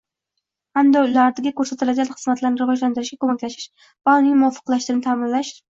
hamda ularga ko'rsatiladigan xizmatlarni rivojlantirishga ko'maklashish va uning muvofiqlashtirilishini ta'minlash